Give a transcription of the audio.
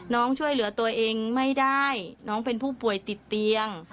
ช่วยเหลือตัวเองไม่ได้น้องเป็นผู้ป่วยติดเตียง